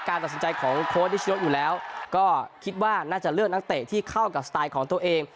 ตัดสินใจของโค้ชนิชโยอยู่แล้วก็คิดว่าน่าจะเลือกนักเตะที่เข้ากับสไตล์ของตัวเอง